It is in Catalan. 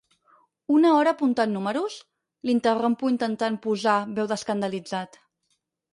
Una hora apuntant números? —l'interrompo intentant posar veu d'escandalitzat.